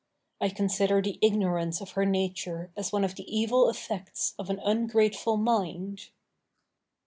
I consider the ignorance of her nature as one of the evil effects of an ungrateful mind.